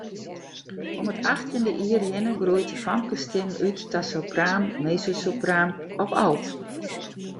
Om it achttjinde jier hinne groeit de famkesstim út ta sopraan, mezzosopraan of alt.